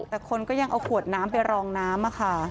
แต่คนก็ยังเอาขวดน้ำไปรองน้ำค่ะ